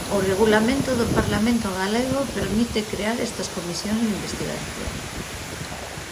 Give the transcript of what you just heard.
O Regulamento do Parlamento galego permite crear estas comisións de investigación.